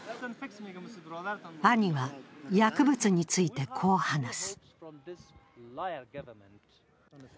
兄は薬物について、こう話す。